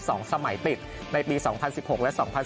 สองสมัยติดในปี๒๐๑๖และ๒๐๑๗